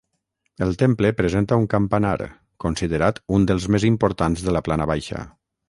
El temple presenta un campanar, considerat un dels més importants de la Plana Baixa.